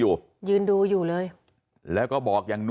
ลูกสาวหลายครั้งแล้วว่าไม่ได้คุยกับแจ๊บเลยลองฟังนะคะ